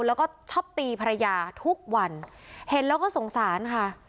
แล้วก็ชอบตีภรรยาทุกวันเห็นแล้วก็สงสารค่ะ